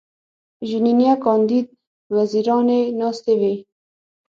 ژینینه کاندید وزیرانې ناستې وې.